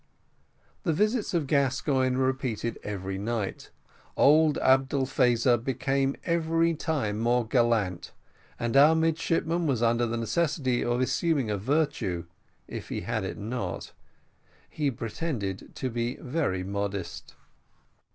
The visits of Gascoigne were repeated every night; old Abdel Faza became every time more gallant, and our midshipman was under the necessity of assuming a virtue if he had it not. He pretended to be very modest.